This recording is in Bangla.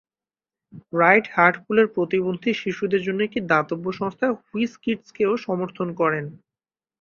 রাইট হার্টলপুলের প্রতিবন্ধী শিশুদের জন্য একটি দাতব্য সংস্থা হুইজ-কিডজকেও সমর্থন করেন।